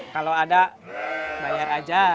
kalau ada bayar aja